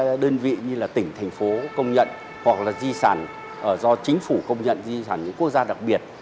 hệ thống di sản thuộc các đơn vị như tỉnh thành phố công nhận hoặc là di sản do chính phủ công nhận di sản những quốc gia đặc biệt